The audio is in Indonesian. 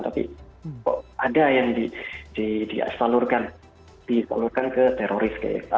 tapi ada yang ditelurkan ditelurkan ke teroris kayaknya